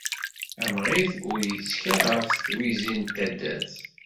Amɣid ur yettkel ɣef twizi n taddart.